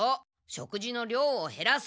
食事の量をへらす！